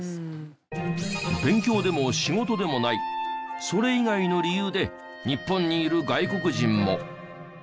勉強でも仕事でもないそれ以外の理由で日本にいる外国人も。